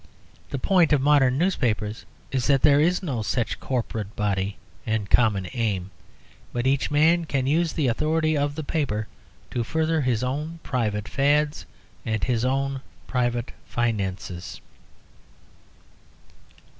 The point of modern newspapers is that there is no such corporate body and common aim; but each man can use the authority of the paper to further his own private fads and his own private finances.